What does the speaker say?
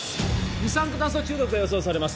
二酸化炭素中毒が予想されます